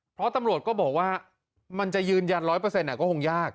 เพราะตำลวดก็บอกว่ามันจะยืนยันร้อยเปอร์เซ็นต์อ่ะก็คงยาก